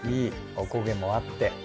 おこげもあって。